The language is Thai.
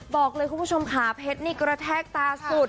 บอกเลยคุณผู้ชมขาเพชรนี่กระแทกตาสุด